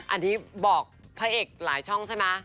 อันนี้บอกพระเอกหลายช่องใช่ไหม